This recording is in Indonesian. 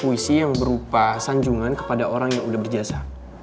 puisi yang berupa sanjungan kepada orang yang sudah berjasa